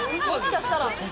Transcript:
もしかしたら。